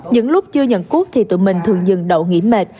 những lúc chưa nhận cuốc thì tụi mình thường dừng đậu nghỉ mệt